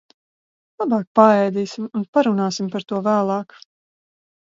Labāk paēdīsim un parunāsim par to vēlāk.